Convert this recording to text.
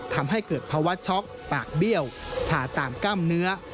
ทำให้เกิดภาวะช็อกปากเบี้ยวชาตามกล้ามเนื้อ